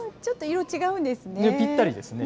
色、ぴったりですね。